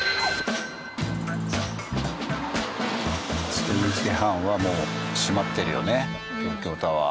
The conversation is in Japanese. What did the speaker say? １０時半はもう閉まってるよね東京タワー。